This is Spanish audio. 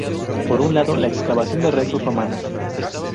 Por un lado, la excavación de restos romanos.